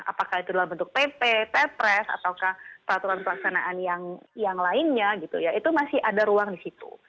apakah itu dalam bentuk pp ppres atau peraturan pelaksanaan yang lainnya gitu ya itu masih ada ruang di situ